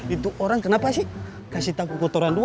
itu orang kenapa sih kasih tahu kotoran dua